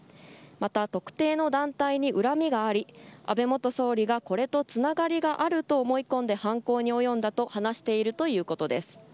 また、特定の団体に恨みがあり安倍元総理がこれとつながりがあると思い込んで犯行に及んだと話しているということです。